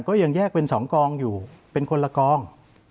ก็ยังแยกเป็น๒กองอยู่เป็นคนละกอง